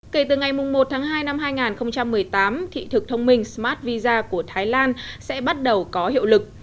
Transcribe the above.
kể từ ngày một tháng hai năm hai nghìn một mươi tám thị thực thông minh smart visa của thái lan sẽ bắt đầu có hiệu lực